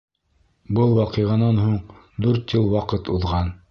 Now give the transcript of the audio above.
Был ваҡиғанан һуң дүрт йыл ваҡыт уҙған.